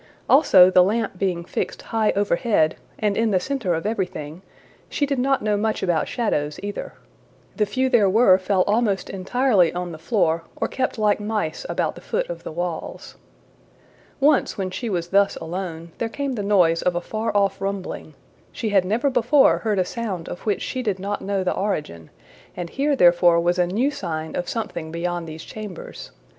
Also, the lamp being fixed high overhead, and in the center of everything, she did not know much about shadows either. The few there were fell almost entirely on the floor, or kept like mice about the foot of the walls. Once, when she was thus alone, there came the noise of a far off rumbling: she had never before heard a sound of which she did not know the origin, and here therefore was a new sign of something beyond these chambers.